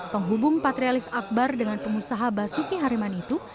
penghubung patrialis akbar dengan pengusaha basuki hariman itu